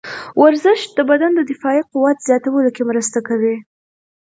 ورزش د بدن د دفاعي قوت زیاتولو کې مرسته کوي.